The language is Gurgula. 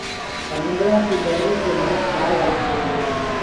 سموندرو ڪي لهرينٚ ڪو مِنک کيآل رآکينٚ۔